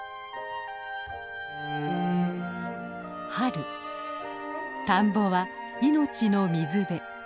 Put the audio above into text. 春田んぼは命の水辺。